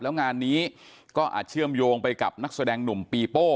แล้วงานนี้ก็อาจเชื่อมโยงไปกับนักแสดงหนุ่มปีโป้